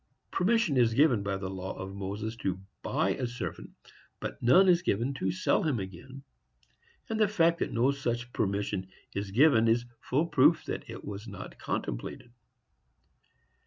Permission is given in the law of Moses to buy a servant, but none is given to sell him again; and the fact that no such permission is given is full proof that it was not contemplated.